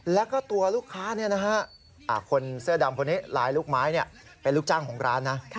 แล้วก็ตัวลูกค้าคนเสื้อดำคนนี้ลายลูกไม้เป็นลูกจ้างของร้านนะ